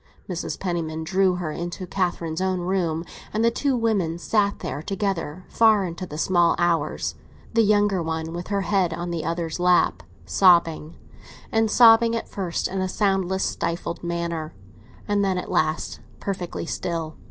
Mrs. Penniman drew her into Catherine's own room, and the two women sat there together, far into the small hours; the younger one with her head on the other's lap, sobbing and sobbing at first in a soundless, stifled manner, and then at last perfectly still.